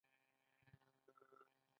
اولادونه مي په خوله نه کیې.